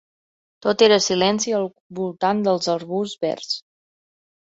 Tot era silenci al voltant dels arbusts verds.